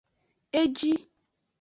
Eji.